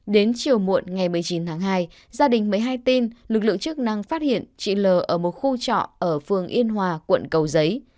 đến chiều muộn ngày một mươi chín tháng hai gia đình mới hay tin lực lượng chức năng phát hiện chị l ở một khu trọ ở phường yên hòa quận cầu giấy